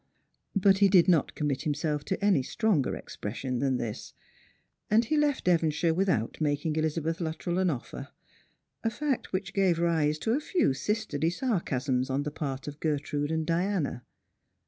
Bu t he did not commit himself to any stronger expression than this ; and he left Devonshire without making Elizabeth Luttrell an oflfer:— a fact which gave rise to a few sisterly sarcasms on the part of Gertrude and Diana.